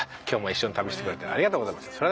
今日も一緒に旅してくれてありがとうございました。